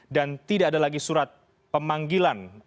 dan tidak ada lagi surat pemanggilan